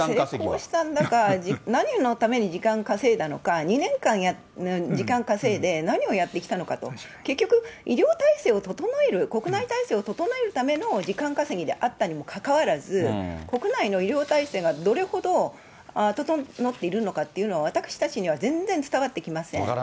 成功したんだか、何のために時間を稼いだのか、２年間、時間稼いで、何をやってきたのかと、結局、医療体制を整える、国内体制を整えるための時間稼ぎであったにもかかわらず、国内の医療体制がどれほど整っているのかっていうのは、私たちには全然伝わってきません。